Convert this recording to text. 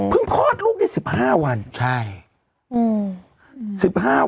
เพิ่งคลอดลูกนี่๑๕วันจริงใช่